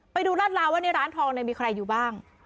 ไปดูรถราวว่าร้านทองนั้นมีใครอยู่บ้าง